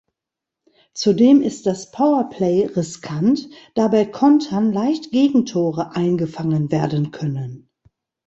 Zudem ist das Powerplay riskant, da bei Kontern leicht Gegentore „eingefangen“ werden können.